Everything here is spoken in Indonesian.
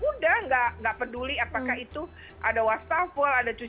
udah nggak peduli apakah itu ada wastafel